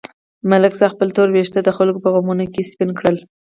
ملک صاحب خپل تور وېښته د خلکو په غمونو کې سپین کړل.